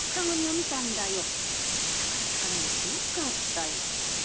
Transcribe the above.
お宝をたかられなくてよかったよ。